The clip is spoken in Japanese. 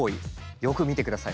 よく見て下さい。